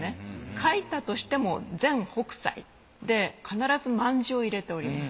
書いたとしても「前北斎」で必ずまんじを入れております。